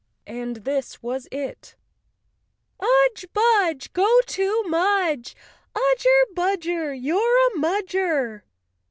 And this was it: " Udge! Budge! Go to Mudge! Udger budger, You're a Mudger!